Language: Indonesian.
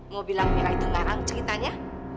mau bilang mira itu narang ceritanya